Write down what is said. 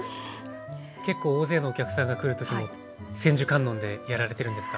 結構大勢のお客さんが来る時も千手観音でやられてるんですか？